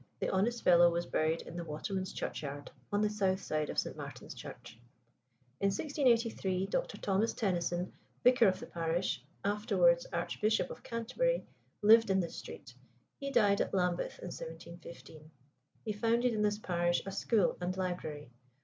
The honest fellow was buried in "The Waterman's Churchyard," on the south side of St. Martin's Church. In 1683 Dr. Thomas Tenison, vicar of the parish, afterwards Archbishop of Canterbury, lived in this street; he died at Lambeth in 1715. He founded in this parish a school and library.